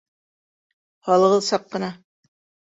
Һалығыҙ саҡ ҡына.